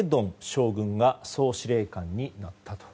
将軍が総司令官になったと。